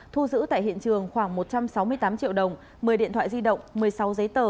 thu giữ tại hiện trường khoảng một trăm sáu mươi tám triệu đồng một mươi điện thoại di động một mươi sáu giấy tờ